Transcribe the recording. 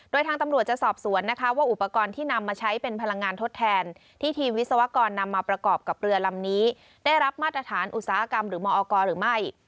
โดยทางตำรวจจะสอบสวนนะคะว่าอุปกรณ์ที่นำมาใช้เป็นพลังงานทดแทนที่ทีมวิศวกรนำมาประกอบกับเรือลำนี้ได้รับมาตรฐานอุตสาหกรรมหรือมอกรหรือไม่